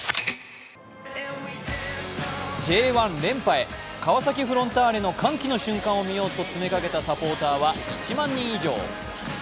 Ｊ１連覇へ、川崎フロンターレの歓喜の瞬間を見ようと詰めかけたサポーターは１万人以上。